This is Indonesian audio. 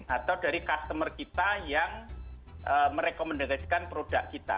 atau dari customer kita yang merekomendasikan produk kita